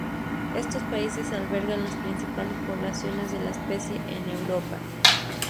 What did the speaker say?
Estos países albergan las principales poblaciones de la especie en Europa.